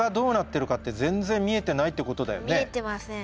見えてません。